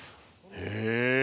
へえ。